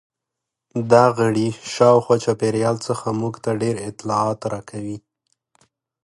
دا غړي شاوخوا چاپیریال څخه موږ ته ډېر اطلاعات راکوي.